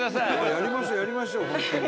やりましょうやりましょう本当に。